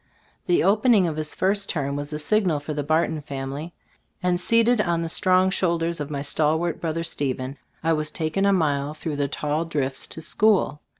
The opening of his first term was a signal for the Barton family, and seated on the strong shoulders of my stalwart brother Stephen, I was taken a mile through the tall drifts to school.